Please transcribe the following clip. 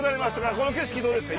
この景色どうですか？」。